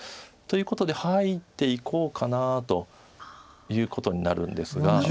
ということで入っていこうかなということになるんですが。